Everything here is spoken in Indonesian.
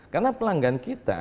karena pelanggan kita